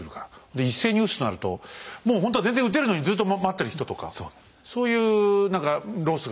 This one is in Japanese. で一斉に撃つとなるともうほんとは全然撃てるのにずっと待ってる人とかそういう何かロスが出てきちゃうわね。